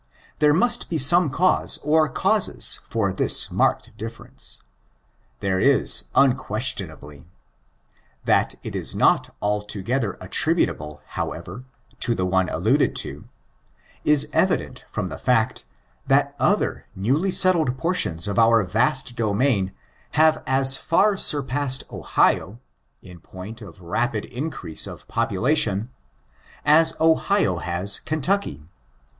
There must be some cause or causes for this marked difference. There is, imquestionablj. That it is not altogether attributable, however, to the one alluded to, is evident from the fact, that other newly settled portions of our vast domain, have as far surpassed Ohio, in point of rapid increase of population, as Ohio has Kentucky.